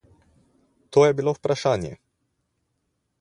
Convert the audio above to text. To je bilo vprašanje.